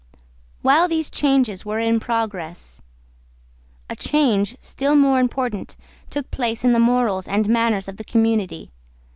While these changes were in progress, a change still more important took place in the morals and manners of the community.